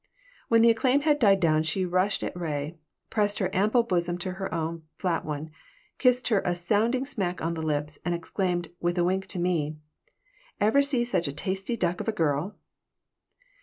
When the acclaim had died down she rushed at Ray, pressed her ample bosom to her own flat one, kissed her a sounding smack on the lips, and exclaimed, with a wink to me: "Ever see such a tasty duck of a girl?"